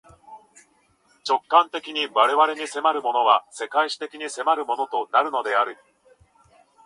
直観的に我々に迫るものは、世界史的に迫るものとなるのである。